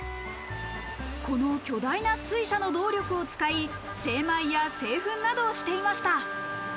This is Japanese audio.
この巨大な水車の動力を使い、精米や製粉などをしていました。